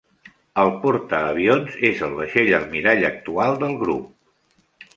El portaavions és el vaixell almirall actual del grup.